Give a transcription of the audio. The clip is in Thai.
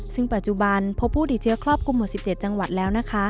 ซึ่งปัจจุบันพบผู้ติดเชื้อครอบคลุมหมด๑๗จังหวัดแล้วนะคะ